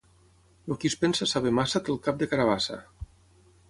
El qui es pensa saber massa té el cap de carabassa.